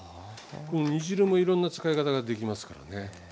この煮汁もいろんな使い方ができますからね。